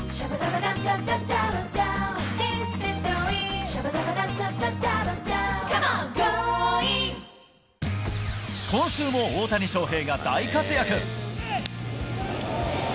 この後今週も大谷翔平が大活躍。